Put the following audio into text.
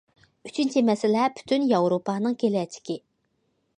ئۈچىنچى مەسىلە پۈتۈن ياۋروپانىڭ كېلەچىكى.